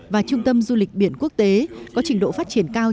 và trung tâm du lịch biển quốc tế có trình độ phát triển cao